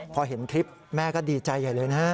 พอเห็นคลิปแม่ก็ดีใจใหญ่เลยนะ